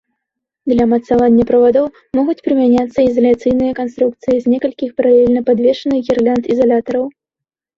Для мацавання правадоў могуць прымяняцца ізаляцыйныя канструкцыі з некалькіх паралельна падвешаных гірлянд ізалятараў.